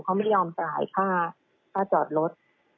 เขาไม่ยอมจ่ายค่าจอดรถ